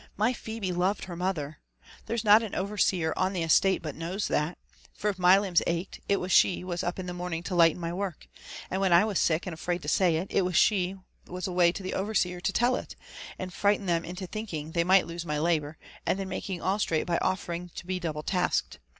My Phebe loved her mother t— there's not an overseer on the estate but knows that : for if my limbs ached, it was she was up in the morning to lighten my work ; and when I was sick and afraid to say it, it was she was away to the overseer to tell it, and frighten them into thinking 66 LIFE AND ADVENTURES OF they might lose my labour, and then msiLing 4II straight by ofifemg to be double tasked.